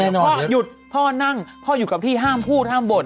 แน่นอนเลยนะพ่อหยุดพ่อนั่งพ่ออยู่กับพี่ห้ามพูดห้ามบ่น